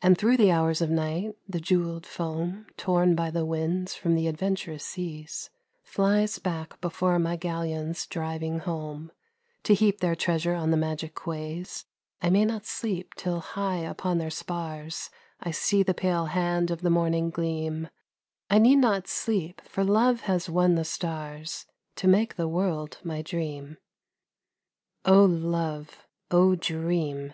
And through the hours of night the jewelled foam Torn by the winds from the adventurous seas, Flies back before my galleons driving home To heap their treasure on the magic quays I may not sleep till high upon their spars I see the pale hand of the morning gleam, I need not sleep for love has won the stars To make the world my dream. Oh love ! oh dream